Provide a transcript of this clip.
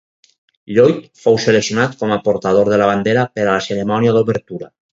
Lloyd fou seleccionat com a portador de la bandera per a la cerimònia d'obertura.